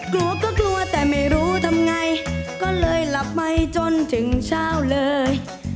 กลัวก็กลัวแต่ไม่รู้ทำไงก็เลยหลับไปจนถึงเช้าเลย